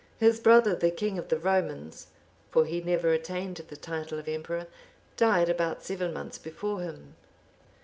} His brother, the king of the Romans, (for he never attained the title of emperor,) died about seven months before him.